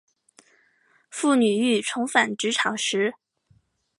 妇女欲重返职场时